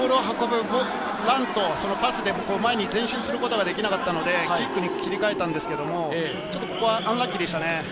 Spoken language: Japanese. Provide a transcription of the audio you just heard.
ランとパスで前に前進することができなかったのでキックに切り替えたんですけど、ちょっとここはアンラッキーでしたね。